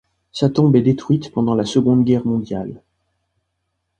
Sa tombe est détruite pendant la Seconde Guerre mondiale.